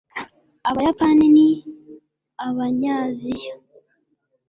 abayapani ni abanyaziya